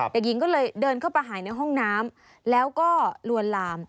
เด็กหญิงก็เลยเดินเข้าไปหายในห้องน้ำแล้วก็ลวนลาม